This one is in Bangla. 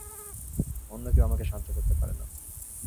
অন্য কেউ আমাকে সাহায্য করতে পারে না।